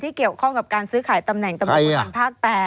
เกี่ยวข้องกับการซื้อขายตำแหน่งตำรวจภูทรภาค๘